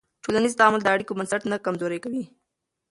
ټولنیز تعامل د اړیکو بنسټ نه کمزوری کوي.